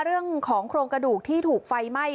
เรื่องของโครงกระดูกที่ถูกไฟไหม้